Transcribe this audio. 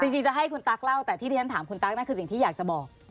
จริงจะให้คุณตั๊กเล่าแต่ที่ที่ฉันถามคุณตั๊กนั่นคือสิ่งที่อยากจะบอก